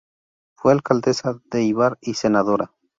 Fue alcaldesa de Éibar y senadora.